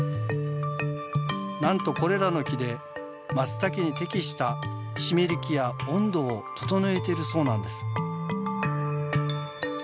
なんとこれらの木でマツタケに適した湿り気や温度を整えているそうなんです。